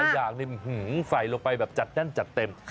รสนานยางนิดหนึ่งใส่ลงไปแบบจัดแน่นจัดเต็ม